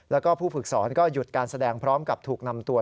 แล้วก็ผู้ฝึกสอนก็หยุดการแสดงพร้อมกับถูกนำตัว